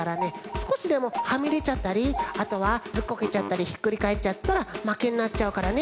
すこしでもはみでちゃったりあとはずっこけちゃったりひっくりかえっちゃったらまけになっちゃうからね。